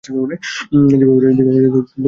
যেভাবে আমি জানি তুমি আমাদের একসাথে যেতে দেবে।